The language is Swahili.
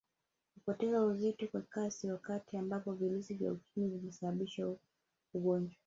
Kupoteza uzito kwa kasi wakati ambapo virusi vya Ukimwi vimeshasababisha ugonjwa